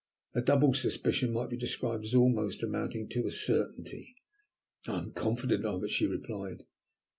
A double suspicion might be described as almost amounting to a certainty. "I am confident of it," she replied.